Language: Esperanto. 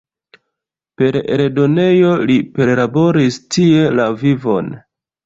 Per eldonejo li perlaboris tie la vivon.